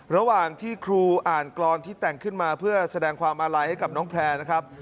ระหว่างที่ครูอ่านกรอนที่แต่งขึ้นมาเพื่อแสดงความอาลัยให้กับน้องแพร่นะครับ